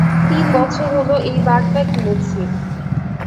তিনবছর হলো এই বারটা কিনেছি।